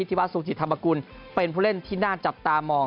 ที่ว่าสุธิธรรมกุลเป็นผู้เล่นที่น่าจับตามอง